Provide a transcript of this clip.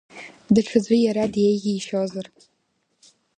Даҽаӡәы иара диеиӷьеишьазар?